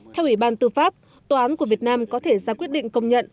theo ủy ban tư pháp tòa án của việt nam có thể ra quyết định công nhận